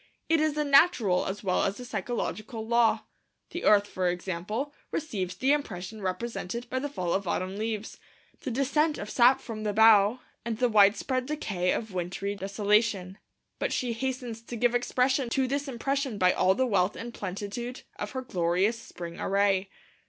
It is a natural as well as a psychological law. The earth, for example, receives the impression represented by the fall of autumn leaves, the descent of sap from the bough, and the widespread decay of wintry desolation. But she hastens to give expression to this impression by all the wealth and plenitude of her glorious spring array.